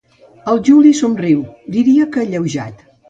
El Juli somriu, diria que alleujat.